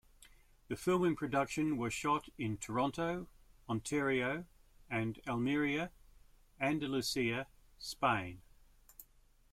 The filming production was shot in Toronto, Ontario, and Almeria, Andalucia, Spain.